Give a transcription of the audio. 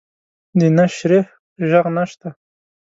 د نشریح ږغ نشته